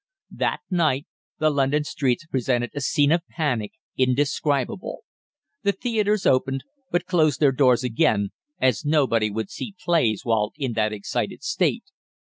That night the London streets presented a scene of panic indescribable. The theatres opened, but closed their doors again, as nobody would see plays while in that excited state.